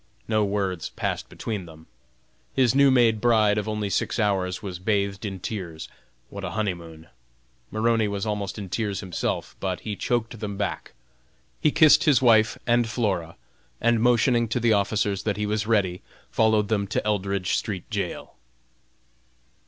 No words passed between them. His new made bride of only six hours was bathed in tears what a honey moon! Maroney was almost in tears himself, but he choked them back. He kissed his wife and Flora, and motioning to the officers that he was ready, followed them to Eldridge street jail.